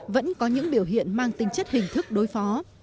vẫn có những biểu hiện mang tính chất hình thức đối phó